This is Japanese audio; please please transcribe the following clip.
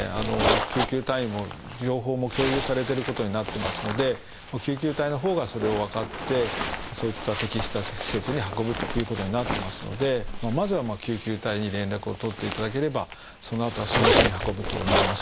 救急隊員も情報も共有されてることになってますので救急隊のほうがそれを分かってそういった適した施設に運ぶということになってますのでまずは救急隊に連絡を取っていただければそのあとはスムーズに運ぶと思います。